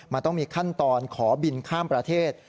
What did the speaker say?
มันต้องมีขั้นตอนขอบินข้ามประเทศ